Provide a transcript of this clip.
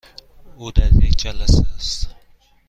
او در یک جلسه است.